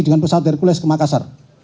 dengan pesawat hercules ke makassar